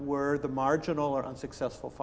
adalah para pekerja yang marginal atau tidak berhasil